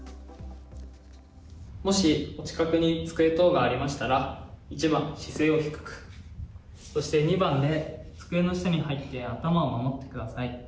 もし、お近くに机等がありましたら１番、姿勢を低くそして２番で机の下に入って頭を守ってください。